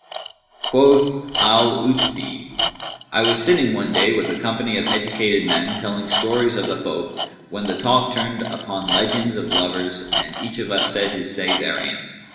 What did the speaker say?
Quoth Al 'Utbν[FN#190], "I was sitting one day with a company of educated men, telling stories of the folk, when the talk turned upon legends of lovers and each of us said his say thereanent.